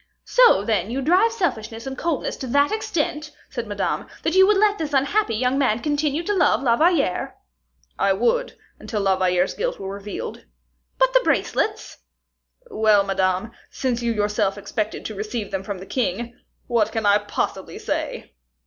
"So, then, you drive selfishness and coldness to that extent," said Madame, "that you would let this unhappy young man continue to love La Valliere?" "I would, until La Valliere's guilt were revealed." "But the bracelets?" "Well, Madame, since you yourself expected to receive them from the king, what can I possibly say?"